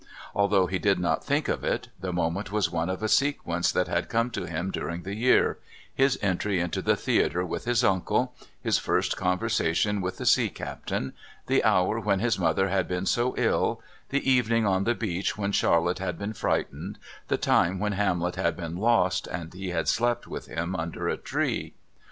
Although he did not think of it, the moment was one of a sequence that had come to him during the year his entry into the theatre with his uncle, his first conversation with the sea captain, the hour when his mother had been so ill, the evening on the beach when Charlotte had been frightened, the time when Hamlet had been lost and he had slept with him under a tree.